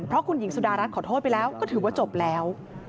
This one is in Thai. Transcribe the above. เพราะคุณหญิงสุดารัฐขอโทษไปแล้วก็ถือว่าจบแล้ว